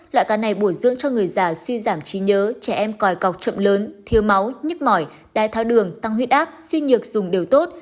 loại cá này bổ dưỡng cho người già suy giảm trí nhớ trẻ em còi cọc chậm lớn thiếu máu nhức mỏi đai tháo đường tăng huyết áp suy nhược dùng đều tốt